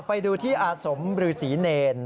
ไปดูที่อาสมหรือศรีเนร